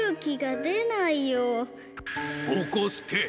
ぼこすけ！